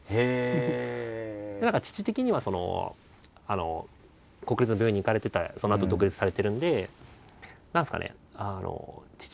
何か父的には国立の病院に行かれててそのあと独立されてるんで。